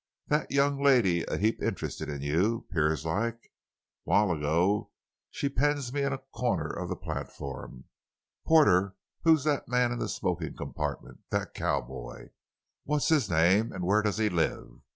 "That young lady a heap interested in you, 'pears like. While ago she pens me in a corner of the platform. 'Porter, who's that man in the smoking compartment—that cowboy? What's his name, an' where does he live?